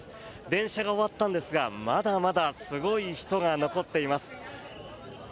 電車が終わったんですがまだまだすごい人が残っています。